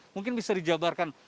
mungkin bisa dijabarkan